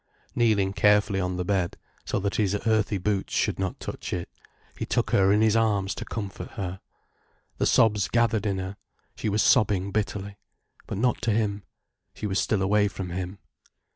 Kneeling carefully on the bed, so that his earthy boots should not touch it, he took her in his arms to comfort her. The sobs gathered in her, she was sobbing bitterly. But not to him. She was still away from him.